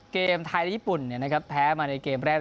เกมไทยและญี่ปุ่นเนี่ยนะครับแพ้มาในเกมแรก